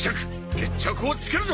決着をつけるぞ！